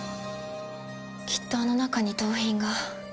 きっとあの中に盗品が。